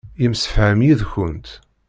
Yemsefham yid-kent.